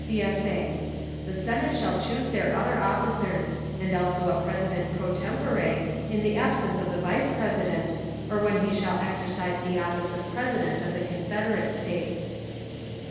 [CSA] The Senate shall choose their other officers; and also a President pro tempore in the absence of the Vice President, or when he shall exercise the office of President of the Confederate States.